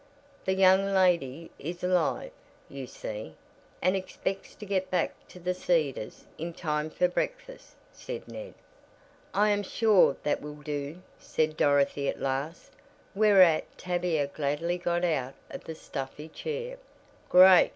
The young lady is alive, you see, and expects to get back to the Cedars in time for breakfast," said Ned. "I am sure that will do," said Dorothy at last, whereat Tavia gladly got out of the stuffy chair. "Great!"